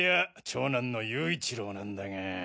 長男の勇一郎なんだが。